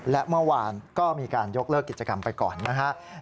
และเมื่อวานก็มีการยกเลิกกิจกรรมไปก่อนนะครับ